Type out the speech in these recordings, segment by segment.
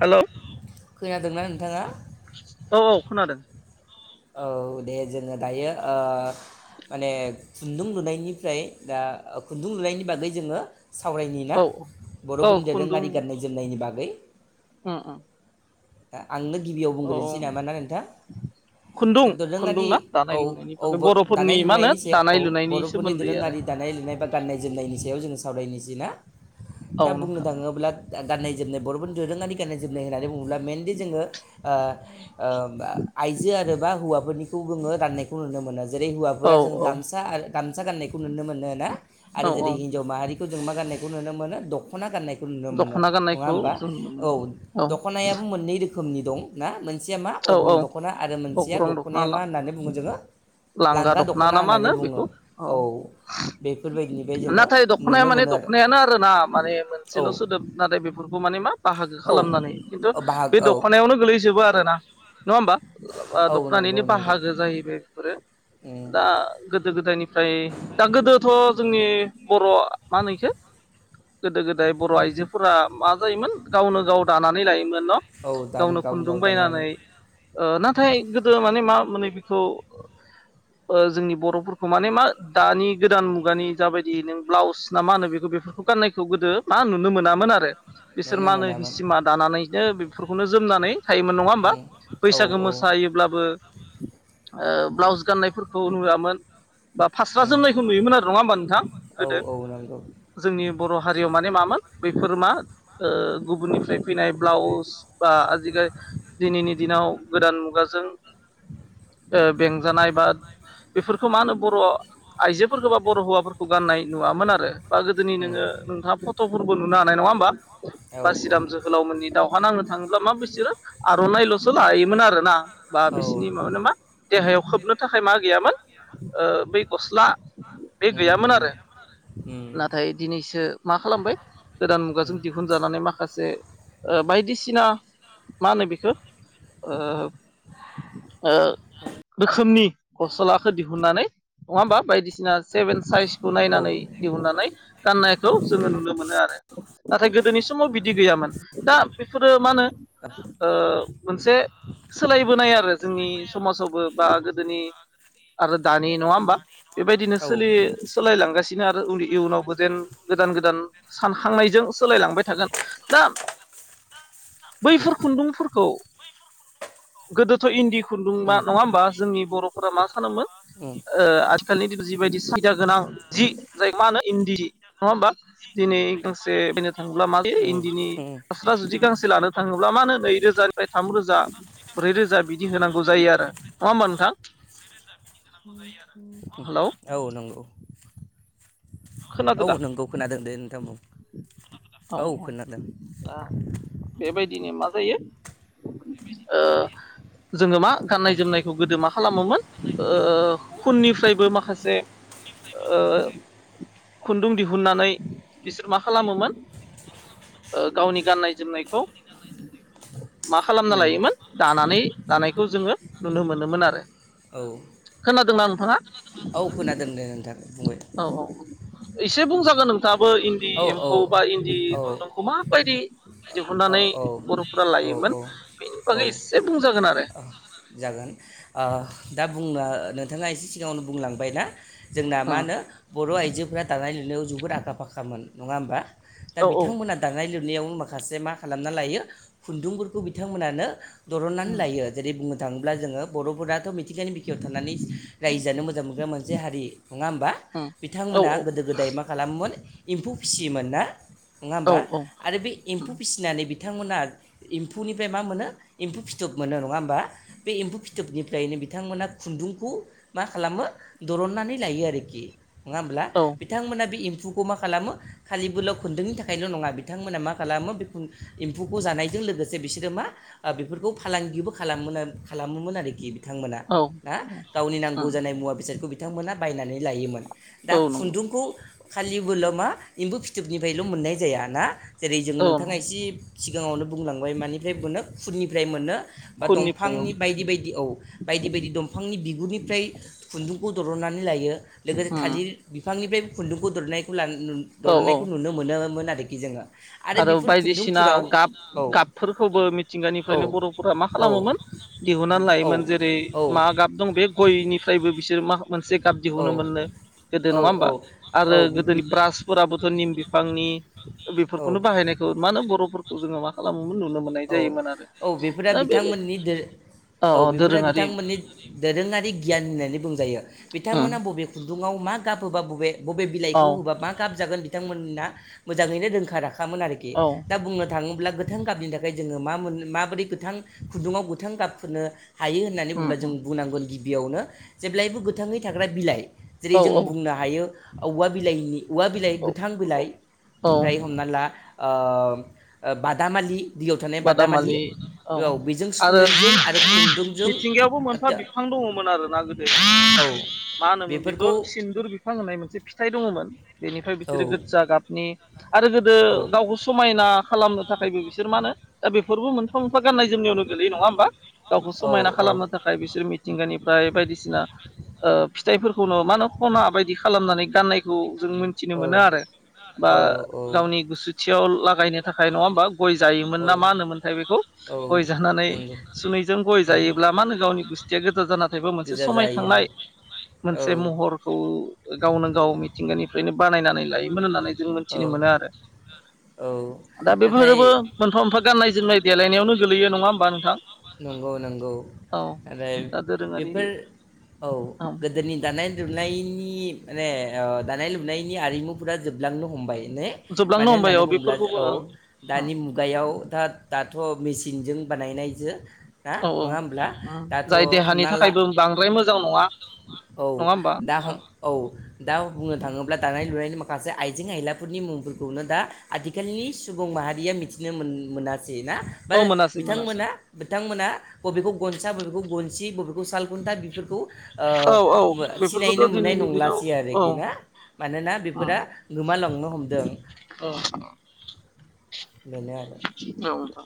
Hello खोनादोंना नोंथाङा? औ औ खोनादों। औ दे जोङो दायो ओ माने खुन्दुं लुनायनिफ्राय दा खुन्दुं लुनायनि बागै जोङो सावरायनायनि ना। औ औ बर'फोरनि खुन्दुं दोरोङारि गाननाय जोमनायनि बागै। उम उम आ-आंनो गिबियाव औ बुंग्रोनोसै नामा ना नोंथां। खुन्दुं दा खुन्दुं दोरोङारि ना औ दानाय लुनायनि औ बागै ब बर'फोरनि दानाय मा होनो लुनायनिसा औ दानाय लुनायनि बर'फोरनि सोमोन्दै आरो दोरोङारि दा नाय लुनाय बा गान्नाय जोमनायनि सायाव जोङो सावरायनिसै ना। औ दा बुंनो नोंथां थाङोब्ला गाननाय जोमनाय बर'फोरनि दोरोङानि गाननाय जोमनाय होननानै बुङो। ओ खौ जोङो गाननायखौ नुनो मोनो जेरै औ हौवाफोरा जों औ गामसा आरो गामसा गाननायखौ नुनो मोनो ना। आरो औ औ जेरै हिनजाव माहारिखौ जों मा गाननायखौ नुनो मोनो दख'ना गाननाय खौ नुनो मोनो दख'ना नङा गाननायखौ होमबा जों नुनो औ मोनो दखनायाबो मोननै रोखोमनि दं ना मोन सेया मा औ औ अग्लं दख'ना आरो मोनसेया अग्रं दख'ना दख'नाया मा होननानै बुङो जोङो लांगा दखना ना मा होनो बेखौ औ। बेफोरबायदिनिफ्राय जोङो नाथाय दख'नाया नुनो माने मोनो आरो दख'नायानो आरोना माने मोनसेल' औ सोदोब नाथाय बेफोर खौ माने मा बाहागो औ खालामनानै खिन्थु बाहाग बे औ दख'नायावनो गोलैजोबो आरोना नङा होमबा। [unintelligible] औ दख'नानिनो नंगौ नंगौ बाहागो जाहैबाय बेफोरो। उम दा गोदो गोदायनिफ्राय दा गोदोथ' जोंनि बर' मा होनो इखो गोदो गोदाय बर' आइजोफोरा मा जायोमोन गावनो गाव दानानै लायो मोन न' औ दानि गावनो खुन्दुं गाव दानो बायनानै लायोमोन ओ नाथाय गोदो माने मा मोनो बेखौ ओ जोंनि बर'फोरखौ माने मा दानि गोदान मुगानि जाबायदि नों ब्लाउस ना मा होनो बे बेफोरखौ गाननायखौ गोदो मा नुनो मोनामोन आरो। बिसोर नो मा होनो मोनामोन हिसिमा दानानैनो बेफोरखौनो जोमनानै थायोमोन नङा होमबा? उम औ बैसागो औ मोसायोब्लाबो ओ ब्लाउस गाननायफोरखौ नुवामोन। बा फास्रा उम जोमनायखौ नुयोमोन आरो नङा होमबा नोंथां औ गोदो। औ नंगौ जोंनि बर' हारियाव माने मामोन बेफोर मा ओ गुबुननिफ्राय फैनाय ब्लाउस बा आजिखा दिनैनि दिनाव गोदान मुगाजों ओ बेंजानाय बा बेफोरखौ मा होनो बर' आइजोफोरखौ बा बर' हौवाफोरखौ गाननाय नुवामोन आरो बा गोदोनि उम नोङो नोंथाङा फट'फोरबो नुनो हानाय नङा होमबा औ बासिराम जोहोलाव मोननि दावहा नांनो थाङोब्ला मा बिसोरो आर'नाइल'सो लायो मोन आरोना बा औ बिसिनि माबा मा देहायाव खोबनो थाखाय मा गैयामोन ओ बै गस्ला बे उम उम गैयामोन आरो उम नाथाय दिनैसो मा खालामबाय गोदान मुगाजों दिहुनजानानै माखासे ओ बायदिसिना मा होनो बेखौ ओ ओ रोखोमनि गस्लाखौ दिहुननानै नङा होमबा बायदिसिना सेभेन साइजखौ औ नायनानै उम दिहुननानै गाननायखौ जोङो नुनो मोनो आरो नाथाय गोदोनि समाव बिदि गैयामोन दा बेफोरो मा होनो ओ एसे सोलायबोनाय आरो जोंनि समाजावबो बा गोदोनि आरो दानि नङा होमबा बेबायदिनो सोलि सोलायलांगासिनो आरो उननि इयुनावबो जेन गोदान गोदान सानखांनायजों सोलायलांबाय थागोन दा [inaudible] बैफोर खुन्दुंफोरखौ गोदोथ' इन्दि खुन्दुं मा उम नङा होमबा जोंनि बर'फोरा मा खानोमोन ओ आथिखालनि दिन जिबायदि गोनां जि जाय मा होनो इन्दि नङा होमबा दिनै गांसे बायनो थाङोब्ला माब इन्दिनि उम उम फास्रा जुदि गांसे लानो थाङोब्ला मानो नैरोजानि रोजा ब्रै रोजा बिदि होनांगौ जायो आरो नङा होमबा नोंथां हेलौ औ नंगौ खोनादो औ दा नोंगौ खोनादों दे नोंथां बुं औ औ दा बेबायदि दिनो मा जायो ओ जोङो मा ओ गाननाय जोमनायखौ गोदो मा खालामोमोन ओ खुननिफ्रायबो माखासे ओ खुन्दुं दिहुननानै बिसोर मा खालामोमोन ओ गावनि गाननाय जोमनायखौ मा खालामना उम लायोमोन दानानै दानायखौ जोङो नुनो मोनोमोन आरो औ खोनादोंना नोंथाङा औ खोनादों दे नोंथां औ बुंबायथा औ एसे बुंजागोन नोंथाङाबो इन्दि औ एम्फौ बा इन्दि औ औ खुन्दुंखौ माबायदि औ दिहुननानै बर'फोरा औ लायोमोन बेनि औ बागै एसे बुंजागोन आरो औ जागोन ओ दा बुंनो नोंथाङा एसे सिगाङावनो बुंलांबाय ना जोंना मा होनो बर' आइजोफोरा दानाय लुनायाव जोबोद आखा फाखामोन नङा होमबा दा औ बिथांमोना दानायनाय लुनायाव माखासे मा खालामना लायो खुन्दुंफोरखौ बिथांमोनानो दननानै लायो जेरै बुं थाङोब्ला जोङो बर'फोराथ' खानि बिखायाव थानानै रायजोआानो मोजां मोनग्रा मोनसे हारि नङा होमबा औ बिथांमोना गोदो गोदाय मा खालामोमोन एम्फौ फिसियोन ना नङा औ हबा आरो बे फिसिनानै बिथांमोना एम्फौनिफ्राय मा मोनो एम्फौ फिथोब मोनो नङा होमबा बे एम्फौ फिथोबनि निफ्रायनो बिथांमोना खुन्दुंखौ मा खालामो दरननानै लायो आरोखि नोङा होनब्ला? औ बिथां मोनहा बे खौ मा खालामो खालिबोलाव खुन्दुंनि थाखायल' नङा बिथांमोना मा खालामो बे एम्फौखौ जानायजों लोगोसे बिसोरो मा बेफोरखौ फालांगिबो खालामो आरो खालामोमोन आरोखि बिथांमोना औ ना गावनि औ नांगौ जानाय मुवा बेसादखौ बिथांमोना बायनानै लायोमोन दा औ नंगौ खुन्दुंखौ खालिबोल' मा एम्बु फिथोबनिफ्रायल' मोननाय जाया ना जेरै जोङो औ नोंथाङा एसे सिगाङावनो बुंलांबाय मानिफ्राय मोनो फुंनिफ्राय मोनो बा खुननिफ्राय दंफांनि औ बायदि बायदि द फांनि बिगुरनिफ्राय खुन्दुंखौ दरननानै लायो लोगोसे थालिर बिफांनिफ्राय खुन्दुंखौनाय औ औ दनायखौ नुनो मोनोमोन आरोखि जोङो आरो बेफोर बायदिसिना खुन्दुंफोराव गाब औ गाबफोरखौबो औ मिथिंगानिफ्रायनो बर'फोरा मा औ खालामोमोन दिहुननानै औ लायो। जेरै मा गाब दं बे गयनिफ्रायबो बिसोर मा मोनसे काब औ दिहुनो मोननो गोदो औ नङा होमबा? आरो औ गोदोनि बि- ब्रासफोराबोथ' निम बिफांनि बेफोर बे औ खौनो बाहायनायखौ मानो बर'फोरखौ जोङो मा खालामो औ औ बेफोरा बेबायदि बिथांमोननि औ बेफोरो बिथांमोननि दोरोङारि गियान होननानै बुंजायो उम बिथांमोना बबेखौ गुङाव मा गाब होबा बबे बबे औ बिलाइखौ होबा मा गाब जागोन बिथांमोना मोजाङैनो रोंखा राखै खोन आरोखि औ दा बुंनो थाङोब्ला गोथां गाबिनि थाखाय जोङो मा मोन माबोरै गोथां खुन्दुङाव गोथां गाबफोरनो हायो होननानै उम बुब्ला जों उम बुंनांगोन। बेयावनो जेब्लायबो गोथाङै थाग्रा बिलाइ जेरै औ जों औ बुंनो हायो औवा बिलाइनि औवा बिलाइ औ गोथां औ बिलाइ औ ओमफ्राय हमना ला बादामालि दैयाव थानाय बादामालि औ बेजों आरो सफुनैजों आरो खुन्दुंजों मिथिंगायावबो मोनफा बिफां दङ'मोन आरो ना गोदो औ मा होनोमोन बेफोरखौ बेथ' सिन्दुर बिफां होननाय मोनसे फिथाइ दङ'मोन। बेनिफ्राय औ बिसोरो गोजा गाबनि आरो गोदो औ गावखौ समायना खालामनो थाखायबो बिसोर मा होनो दा बेफोरबो मोनफा मोनफा गाननाय जोमनायावनो गोलैयो नङा होमबा? गावखौ औ समायना औ खालामनो थाखाय बिसोर मिथिंगानिफ्राय बायदिसिना फिथाइफोर मानो खना बायदि खालामनानै गाननायखौ जों मिथिनो मोन आरो बा औ गावनि गुसुथियाव लागायनो थाखाय नङा हबा गय जायो। मोन औ ना मा होनोमोनथाय बेखौ औ गय जानानै नंगौ सुनैजों गय जायोब्ला मा होनो गावनि गुस्थिया गो जाना थायोबा मोनसे गोजा जायो समायखांनाय औ मोनसे महरखौ गावनो गाव मिथिंगानि नो बानायनानै लायोमोन होननानै जों औ मोनथिनो मोनो आरो औ दा बेफोरबो नाथाय ओमफा गाननाय जोमनाय देलायनायावनो गोलैयो नङा होमबा नोंथां? नंगौ नंगौ औ आरो दा दोरोङारि बेफोर। औ गोदोनि दानाय लुनाय नि माने ओ दानाय लुनायनि आरिमुफोरा जोबलांनो हमबाय। बेनो जोबलांनो मानो हमबाय होननानै औ बुङोब्ला बेफोरखौबो औ दानि ओं मुगायाव दा दाथ' मेचिनजों बानायनायजो। हा औ नङा होमब्ला औ दाथ' जाय देहानि हमना ला थाखायबो बांद्राय मोजां नङा [unintelligible] औ नङा होमबा दा नोंथां औ दा बुंनो थाङोब्ला दानाय लुनायनि माखासे आइजें आइलाफोरनि मुंफोरखौनो दा आथिखालनि सुबुं माहारिया मिथिनो मोन-मोनाखै। ना औ मोनासै मोनासै बिथांमोना बिथांमोना बबेखौ गनसा बबेखौ गनसि बबे खौ साल खुन्था बेफोरखौ औ औ ओ सिनायनो बेफोरखौथ' मोननाय दिनैनि दिनाव नंलासै औ आरोखि ना? मानोना औ बेफोरा गोमालांनो हमदों औ बेनो आरो नोंथां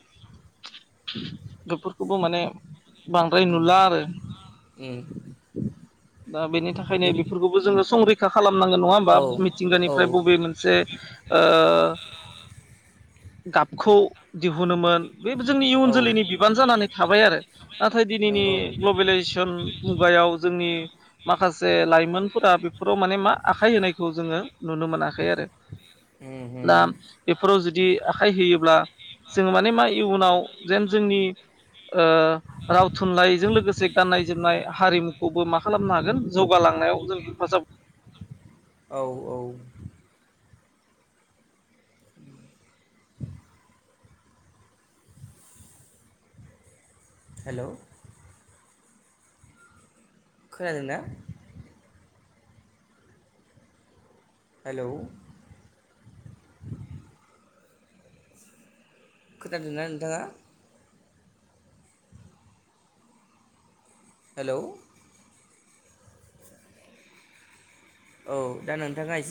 बेफोरखौबो माने बांद्राय उम नुला आरो उम दा बेनि थाखायनो बे बेफोरखौबो जोंङो संरै खा खालामनांगोन नङा होमबा औ औ मिथिंगानिफ्राय बबे मोनसे ओ गाबखौ दिहुनोमोन बे जोंनि इयुन औ जोलैनि बिबान जानानै थाबाय आरो नाथाय दिनैनि नंगौ उम ग्लबेलाइजेसन मुगायाव जोंनि माखासे लाइमोनफोरा बेफोराव माने मा आखाय होनायखौ जोंङो नुनो मोनाखै आरो दा उम बेफोराव जुदि आखाइ होयोब्ला जोङो माने मा इयुनाव जेन जोंनि राव थुनलाइजों लोगोसे गाननाय जोमनाय हारिमुखौबो मा खालामनो हागोन जौगालांनाय जों हेफाजाब औ औ हेल' खोनादोंना? हेल' खोनादोंना नोंथाङा हेल' औ दा नोंथाङा एसे